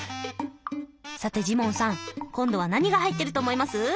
さてジモンさん今度は何が入ってると思います？